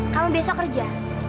kamu besok kerja